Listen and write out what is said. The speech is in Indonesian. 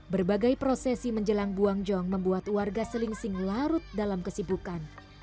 berbagai prosesi menjelang buang jong membuat warga selingsing larut dalam kesibukan